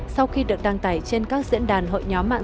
sau khi được đăng tải trên các diễn đàn hội nhóm mạng